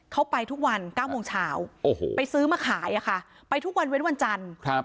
เขาไปทุกวัน๙โมงเช้าโอ้โหไปซื้อมาขายอะค่ะไปทุกวันเว้นวันจันทร์